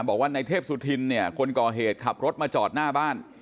บอกว่าในเทพสุธินเนี่ยคนก่อเหตุขับรถมาจอดหน้าบ้าน